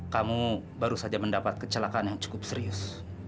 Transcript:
kamu baru saja mendapat kecelakaan yang cukup serius